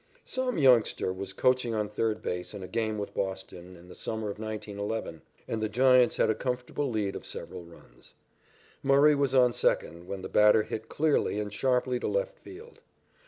Some youngster was coaching on third base in a game with Boston in the summer of 1911 and the Giants had a comfortable lead of several runs. Murray was on second when the batter hit clearly and sharply to left field.